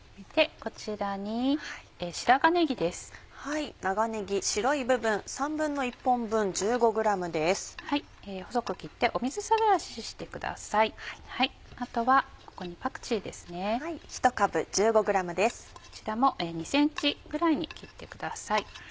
こちらも２ｃｍぐらいに切ってください。